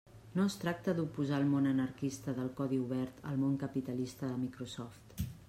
No es tracta d'oposar el món anarquista del codi obert al món capitalista de Microsoft.